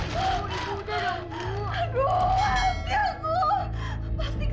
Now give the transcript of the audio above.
pokoknya kalian harus ganti